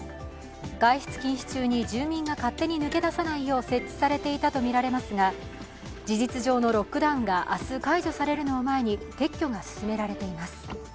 外出禁止中に住民が勝手に抜け出さないよう設置されていたとみられますが事実上のロックダウンが明日、解除されるのを前に撤去が進められています。